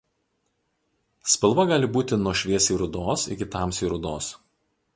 Spalva gali būti nuo šviesiai rudos iki tamsiai rudos.